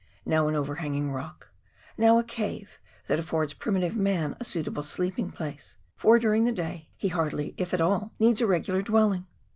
. now an overhanging rock, now a cave that affords primitive man a suitable sleeping place ; for during the day ... he hardly, if at all, needs a regular dwelling.